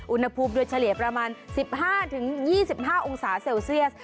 อุณหภูมิโดยเฉลี่ยประมาณ๑๕๒๕องศาเซลเซียส